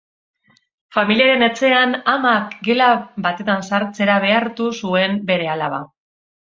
Familiaren etxean, amak gela batetan sartzera behartu zuen bere alaba.